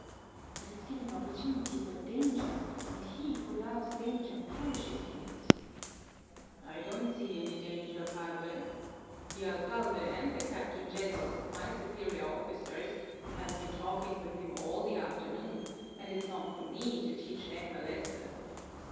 "But it's giving opportunity for danger, and he who loves danger perishes in it." "I don't see any danger, Padre. The alcalde and the Captain General, my superior officers, have been talking with him all the afternoon and it's not for me to teach them a lesson."